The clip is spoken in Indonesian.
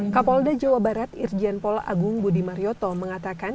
kapolda jawa barat irjian pola agung budi marioto mengatakan